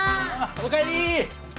おかえり！